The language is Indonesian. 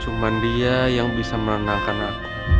cuma dia yang bisa menenangkan aku